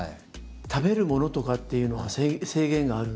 食べるものとかっていうのは制限があるんですか？